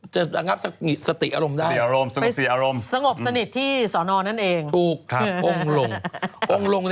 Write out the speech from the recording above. เขาคงเป็นคนลง